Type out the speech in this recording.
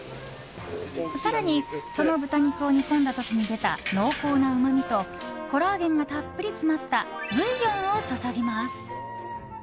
更に、その豚肉を煮込んだ時に出た濃厚なうまみとコラーゲンがたっぷり詰まったブイヨンを注ぎます。